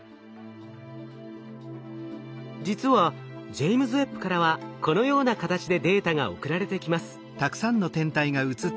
実はジェイムズ・ウェッブからはこのような形でデータが送られてきます。